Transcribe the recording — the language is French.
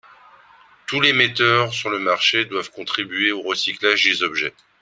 Tous les metteurs sur le marché doivent contribuer au recyclage des objets.